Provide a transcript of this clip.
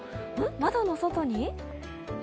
窓の外に？